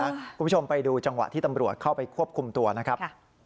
คุณผู้ชมไปดูจังหวะที่ตำรวจเข้าไปควบคุมตัวนะครับ